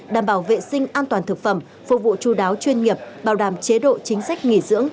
đảm bảo vệ sinh an toàn thực phẩm phục vụ chú đáo chuyên nghiệp bảo đảm chế độ chính sách nghỉ dưỡng